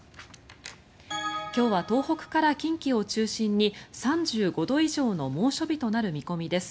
今日は東北から近畿を中心に３５度以上の猛暑日となる見込みです。